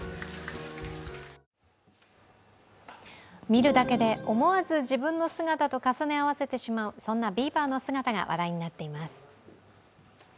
見るだけで思わず自分の姿と重ね合わせてしまう、そんなビーバーの姿が話題になっています。